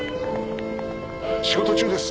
仕事中です！